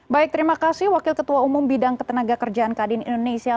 baik terima kasih wakil ketua umum bidang ketenaga kerjaan kadin indonesia